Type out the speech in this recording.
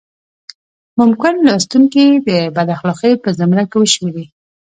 ممکن لوستونکي د بد اخلاقۍ په زمره کې وشمېري.